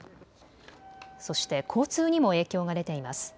そして交通にも影響が出ています。